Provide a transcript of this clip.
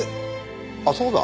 あっそうだ。